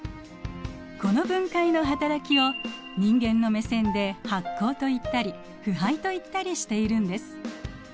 この分解の働きを人間の目線で発酵といったり腐敗といったりしているんです。